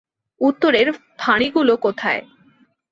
উত্তরের ফাঁড়িগুলো কোথায়?